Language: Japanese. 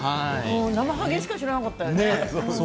ナマハゲしか知らなかった。